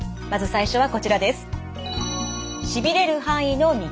まず最初はこちらです。